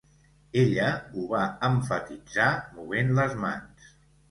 Ella ho va emfatitzar movent les mans.